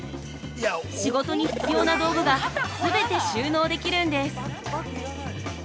仕事に必要な道具がすべて収納できるんです。